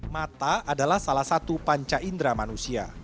mata adalah salah satu panca indera manusia